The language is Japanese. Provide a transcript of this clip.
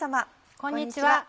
こんにちは。